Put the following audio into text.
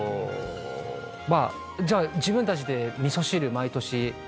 まあじゃあ自分たちで味噌汁毎年。